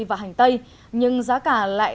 và hành tây nhưng giá cả lại